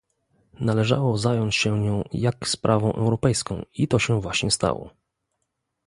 należało zająć się nią jak sprawą europejską i to się właśnie stało